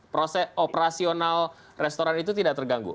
proses operasional restoran itu tidak terganggu